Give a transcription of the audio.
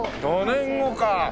４年後か！